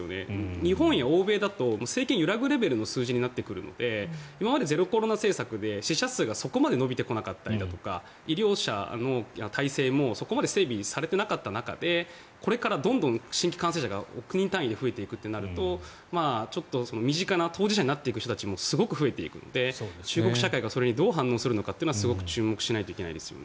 日本や欧米だと政権が揺らぐレベルの数字になってくるので今までゼロコロナ政策で死者数がそこまで伸びてこなかったりだとか医療者の態勢も、そこまで整備されていなかった中でこれからどんどん新規感染者が増えてくるとなるとちょっと身近な当事者になっていく人たちもすごく増えていくので中国社会がどう反応するのかというのは注目しないといけないですよね。